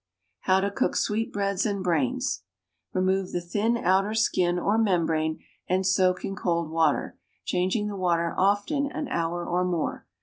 =How to Cook Sweetbreads and Brains.= Remove the thin outer skin or membrane and soak in cold water, changing the water often, an hour or more.